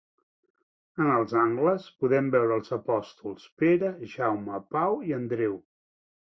En els angles podem veure als apòstols Pere, Jaume, Pau i Andreu.